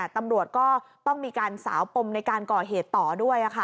ตำรวจก็ต้องมีการสาวปมในการก่อเหตุต่อด้วย